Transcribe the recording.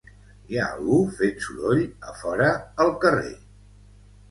Hi ha algú fent soroll a fora, al carrer.